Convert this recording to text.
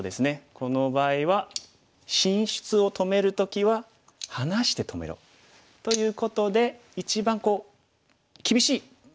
この場合は進出を止める時は離して止めろ。ということで一番厳しい止め方からちょっと離す。